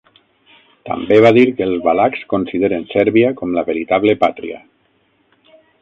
També va dir que els valacs consideren Sèrbia com la veritable pàtria.